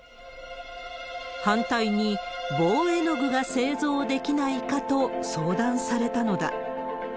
反対に、棒絵具が製造できないかと相談されたのだ。